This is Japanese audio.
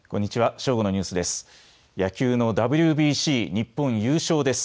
正午のニュースです。